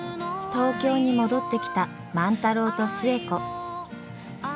東京に戻ってきた万太郎と寿恵子。